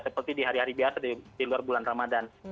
seperti di hari hari biasa di luar bulan ramadan